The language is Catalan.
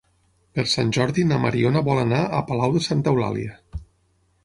Per Sant Jordi na Mariona vol anar a Palau de Santa Eulàlia.